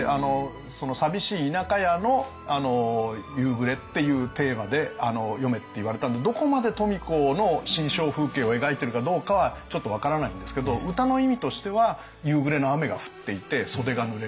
寂しい田舎家の夕暮れっていうテーマで詠めっていわれたんでどこまで富子の心象風景を描いてるかどうかはちょっと分からないんですけど歌の意味としては夕暮れの雨が降っていて袖がぬれると。